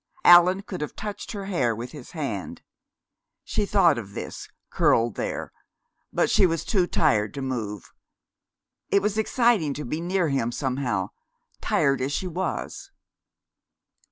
Allan could have touched her hair with his hand. She thought of this, curled there, but she was too tired to move. It was exciting to be near him, somehow, tired as she was.